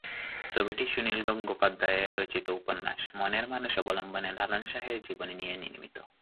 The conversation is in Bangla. ছবিটি সুনীল গঙ্গোপাধ্যায় রচিত উপন্যাস "মনের মানুষ" অবলম্বনে লালন শাহের জীবনী নিয়ে নির্মিত।